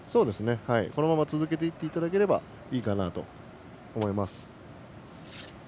このまま続けていっていただければいいかなと思います。